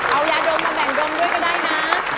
เอายาดมมาแบ่งดมด้วยก็ได้นะ